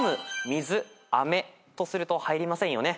「みず」「あめ」とすると入りませんよね。